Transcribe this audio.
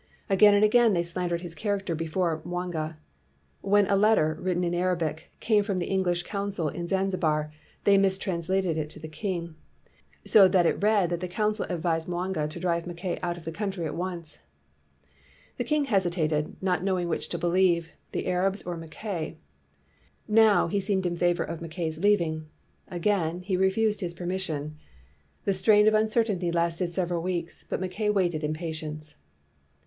Again and again they slandered his character before Mwanga. When a letter, written in Arabic, came from the English consul in Zanzibar, they mistranslated it to the king, 254 HE LAYS DOWN HIS TOOLS so that it read that the consul advised Mwanga to drive Mackay out of the country at once. The king hesitated, not knowing which to believe, the Arabs or Mackay. Now, he seemed to favor Mackay 's leaving; again, he refused his permission. The strain of uncertainty lasted several weeks, but Mackay waited in patience.